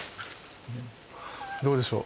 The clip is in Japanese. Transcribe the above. どうでしょう？